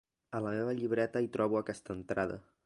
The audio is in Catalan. A la meva llibreta hi trobo aquesta entrada.